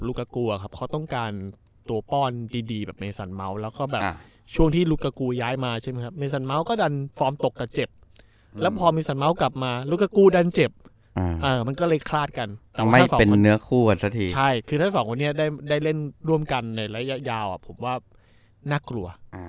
กลัวครับเขาต้องการตัวป้อนดีดีแบบเมซันเมาส์แล้วก็แบบช่วงที่ลูกกากูย้ายมาใช่ไหมครับเมซันเมาส์ก็ดันฟอร์มตกกับเจ็บแล้วพอเมซันเมาส์กลับมาลูกกากูดันเจ็บมันก็เลยคลาดกันแต่ไม่ฟอร์มเนื้อคู่กันสักทีใช่คือถ้าสองคนนี้ได้เล่นร่วมกันในระยะยาวผมว่าน่ากลัว